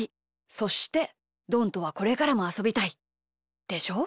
そしてどんとはこれからもあそびたいでしょ？